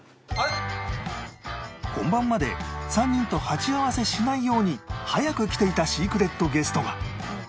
本番まで３人と鉢合わせしないように早く来ていたシークレットゲストが！